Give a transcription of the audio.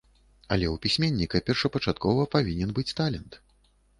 Але ў пісьменніка першапачаткова павінен быць талент.